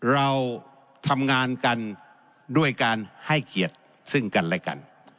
เราทำงานกันด้วยการให้เกียรติซึ่งกันและกัน